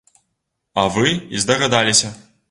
А вы і здагадаліся.